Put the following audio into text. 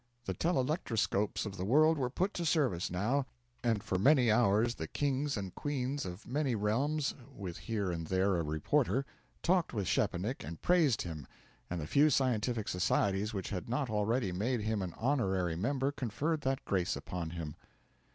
The telelectroscopes of the world were put to service now, and for many hours the kings and queens of many realms (with here and there a reporter) talked with Szczepanik, and praised him; and the few scientific societies which had not already made him an honorary member conferred that grace upon him.